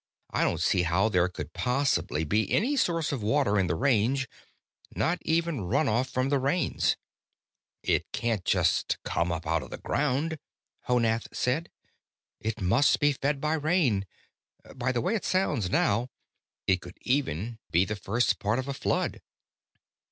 I don't see how there could possibly be any source of water in the Range not even run off from the rains." "It can't just come up out of the ground," Honath said. "It must be fed by rain. By the way it sounds now, it could even be the first part of a flood."